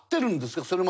それまでに。